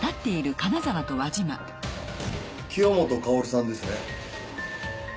清本薫さんですね？